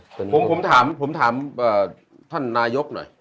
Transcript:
อศน่าผมถามท่านนายกหน่อย